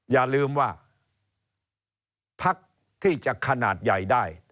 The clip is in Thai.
อย่าลืมว่าพักที่จะขนาดใหญ่ได้